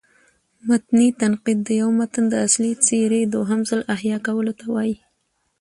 متني تنقید: د یو متن د اصلي څېرې دوهم ځل احیا کولو ته وايي.